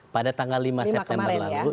pada tanggal lima september lalu